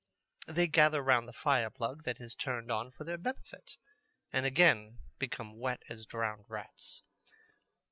They gather round the fire plug that is turned on for their benefit, and again become wet as drowned rats.